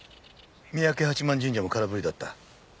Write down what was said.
三宅八幡神社も空振りだった。